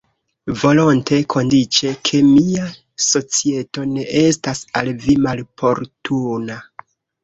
Volonte, kondiĉe ke mia societo ne estas al vi maloportuna.